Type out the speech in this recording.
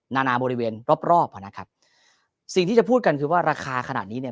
นานาบริเวณรอบรอบอ่ะนะครับสิ่งที่จะพูดกันคือว่าราคาขนาดนี้เนี่ย